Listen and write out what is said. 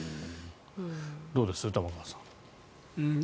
どうです、玉川さん。